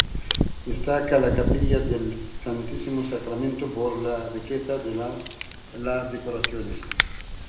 Destaca la capilla del Santísimo Sacramento por la riqueza de las decoraciones.